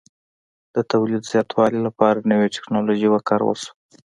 د تولید زیاتوالي لپاره نوې ټکنالوژي وکارول شوه